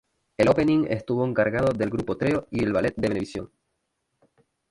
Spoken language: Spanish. El opening estuvo encargado del Grupo Treo y el ballet de Venevisión.